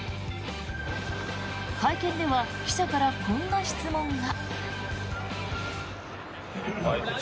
会見では記者からこんな質問が。